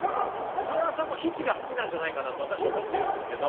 藤原さんも非−知が好きなんじゃないかなと私思ってるんですけど。